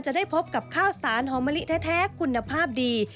จะได้พบกับข้าวสารหอมมะลิแท้คุณภาพดี